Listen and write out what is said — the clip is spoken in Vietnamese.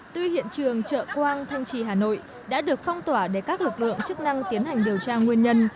tuy hiện trường trợ quang thanh trì hà nội đã được phong tỏa để các lực lượng chức năng tiến hành điều tra nguyên nhân